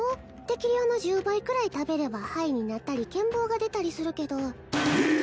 適量の１０倍くらい食べればハイになったり健忘が出たりするけどええっ！？